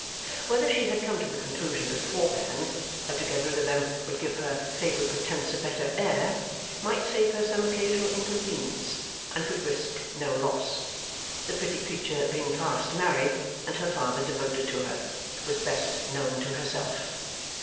Whether she had come to the conclusion beforehand, that to get rid of them would give her favourite pretence a better air, might save her some occasional inconvenience, and could risk no loss (the pretty creature being fast married, and her father devoted to her), was best known to herself.